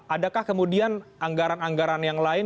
adakah kemudian anggaran anggaran yang lain